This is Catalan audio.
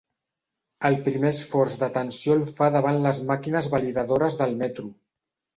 El primer esforç d'atenció el fa davant les màquines validadores del metro.